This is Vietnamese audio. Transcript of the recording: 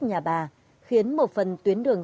nhà bà khiến một phần tuyến đường